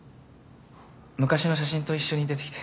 昔の写真と一緒に出てきて。